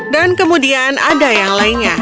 dan kemudian ada yang lainnya